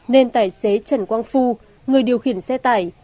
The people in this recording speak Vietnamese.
nên tài xế trần quang phu người điều khiển xe tải